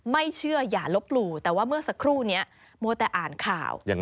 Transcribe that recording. ไม่เชื่ออย่าลบหลู่แต่ว่าเมื่อสักครู่นี้มัวแต่อ่านข่าว